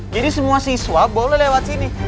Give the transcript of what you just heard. jadi semua siswa boleh lewat sini